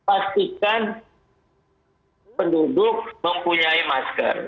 pastikan penduduk mempunyai masker